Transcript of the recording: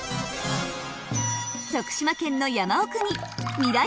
徳島県の山奥に未来